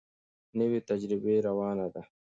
نوې تجربه روانه ده.